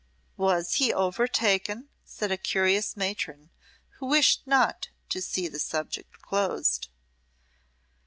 "Was he overtaken?" said a curious matron, who wished not to see the subject closed.